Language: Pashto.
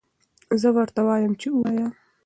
زه ورته وایم چې ووایه.